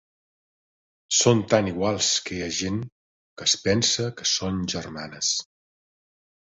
Són tan iguals que hi ha gent que es pensa que són germanes.